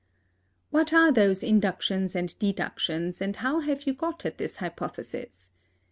What are those inductions and deductions, and how have you got at this hypothesis?